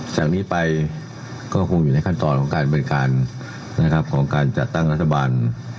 จากนี้ไปก็คงอยู่ในขั้นตอนของการบริการนะครับของการจัดตั้งรัฐบาล